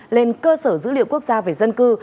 lên cơ sở dữ liệu quốc gia về dân cư